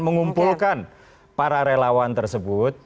mengumpulkan para relawan tersebut